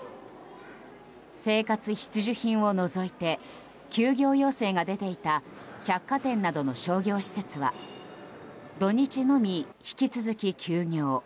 生活必需品を除いて休業要請が出ていた百貨店などの商業施設は土日のみ引き続き休業。